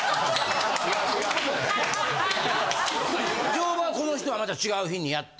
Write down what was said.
乗馬はこの日とはまた違う日にやって？